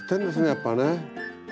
やっぱね。